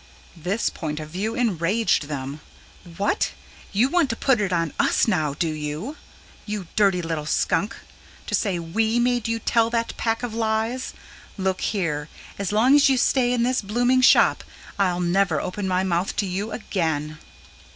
This point of view enraged them. "What? You want to put it on us now, do you? ... you dirty little skunk! To say WE made you tell that pack of lies? Look here: as long as you stay in this blooming shop, I'll never open my mouth to you again!"